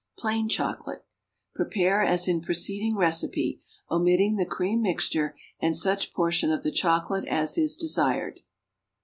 =Plain Chocolate.= Prepare as in preceding recipe, omitting the cream mixture and such portion of the chocolate as is desired.